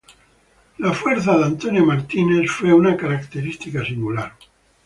La fuerza al batear de Mickey Mantle fue una característica singular.